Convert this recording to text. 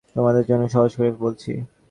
তোমাদের জন্য সহজ করে বলছি।